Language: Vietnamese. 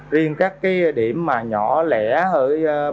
riêng các cái điều kiện về thực phẩm thì mới cho hoạt động